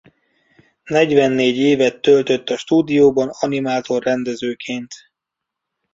Negyvennégy évet töltött a Stúdióban animátor-rendezőként.